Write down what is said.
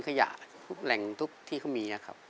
เขาพักว่าทิ้งขยาทุกแหล่งทุกที่เขามีนะครับ